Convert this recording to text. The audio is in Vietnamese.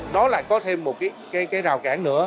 đó là có thêm một cái rào cản nữa